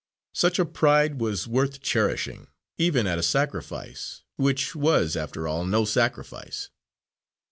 Such a pride was worth cherishing even at a sacrifice, which was, after all, no sacrifice.